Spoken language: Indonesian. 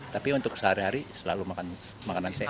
tapi untuk sehari hari selalu makan makanan sehat